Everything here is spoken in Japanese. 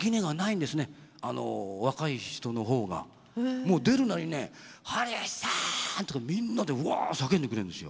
もう出るなりね「堀内さん！」とかみんなでワ叫んでくれるんですよ。